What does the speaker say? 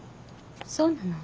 そうなの？